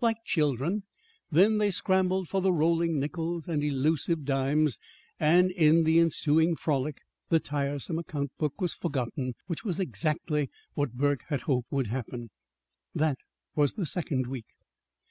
Like children then they scrambled for the rolling nickels and elusive dimes; and in the ensuing frolic the tiresome account book was forgotten which was exactly what Burke had hoped would happen. This was the second week.